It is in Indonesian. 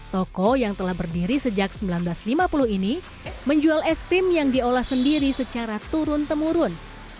toko yang telah berdiri sejak seribu sembilan ratus lima puluh ini menjual es krim yang diolah sendiri secara turun temurun